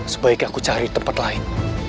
sebaiknya aku cari tempat lain